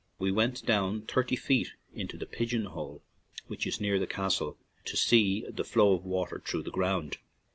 We went down thirty feet into the "pigeon hole," which is near the castle, to see the flow of water through the ground.